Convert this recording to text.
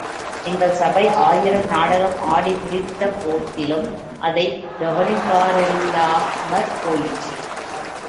எங்கள் சபை ஆயிரம் நாடகம் ஆடி முடித்தபோதிலும் அதைக் கவனிப்பாரில்லாமற் போயிற்று!